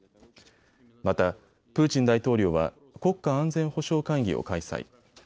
また、プーチン大統領は国家安全保障会議を開催。